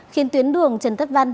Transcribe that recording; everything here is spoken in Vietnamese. khiến tuyến đường trần tất văn